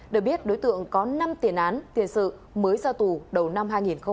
được biết đối tượng có năm tiền án tiền sự mới ra tù đầu năm hai nghìn hai mươi